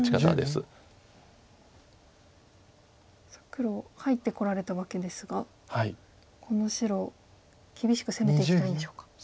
さあ黒入ってこられたわけですがこの白厳しく攻めていきたいんでしょうか。